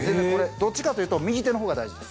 どっちかというと右手の方が大事です。